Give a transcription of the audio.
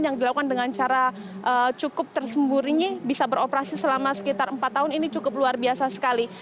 yang dilakukan dengan cara cukup tersembunyi bisa beroperasi selama sekitar empat tahun ini cukup luar biasa sekali